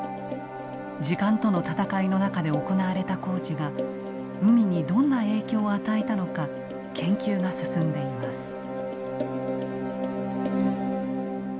時間との闘いの中で行われた工事が海にどんな影響を与えたのか研究が進んでいます。